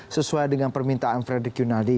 sesuai dengan permintaan frederick yunadi